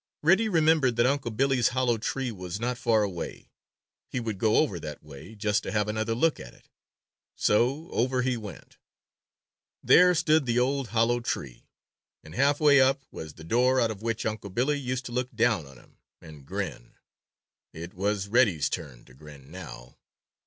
Reddy remembered that Unc' Billy's hollow tree was not far away. He would go over that way, just to have another look at it. So over he went. There stood the old hollow tree, and half way up was the door out of which Unc' Billy used to look down on him and grin. It was Reddy's turn to grin now.